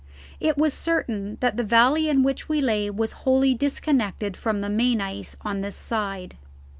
It was certain that the valley in which we lay was wholly disconnected from the main ice on this side.